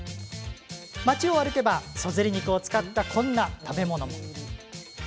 町を歩けば、そずり肉を使ったこんな食べ物も。